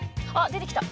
出てきた！